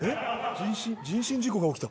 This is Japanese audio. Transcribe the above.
人身人身事故が起きた。